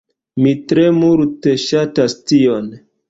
Mi tre multe ŝatas tion.